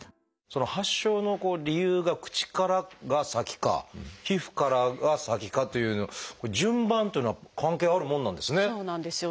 その発症の理由が口からが先か皮膚からが先かという順番というのは関係あるもんなんですね。